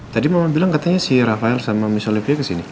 tadi mama bilang katanya si rafael sama mich olivia kesini